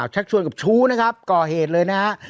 ชักชวนกับชู้นะครับก่อเหตุเลยนะฮะ